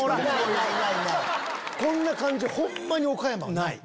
こんな感じホンマに岡山はない。